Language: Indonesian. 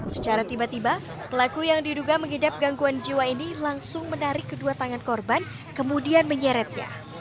secara tiba tiba pelaku yang diduga mengidap gangguan jiwa ini langsung menarik kedua tangan korban kemudian menyeretnya